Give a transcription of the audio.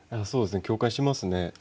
そうですね共感しますね。